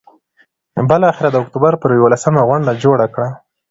بالآخره د اکتوبر پر یوولسمه غونډه جوړه کړه.